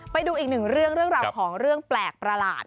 ไปดูอีกหนึ่งเรื่องเรื่องราวของเรื่องแปลกประหลาด